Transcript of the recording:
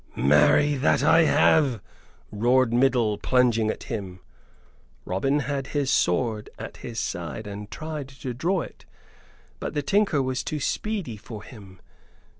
"Marry, that have I!" roared Middle, plunging at him. Robin had his sword at his side and tried to draw it; but the tinker was too speedy for him.